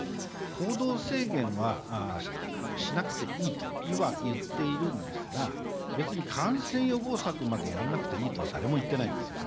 行動制限は、しなくていいとは言っていますが別に感染予防策までやらなくていいとは誰も言っていないんですよ。